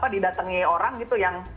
didatangi orang gitu yang